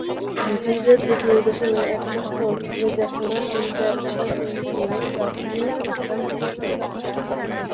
ব্রিটিশদের দিক-নির্দেশনায় একমাস পর রেজা খানা তিন-চার হাজার সৈনিক নিয়ে রাজধানী তেহরান দখল করেন।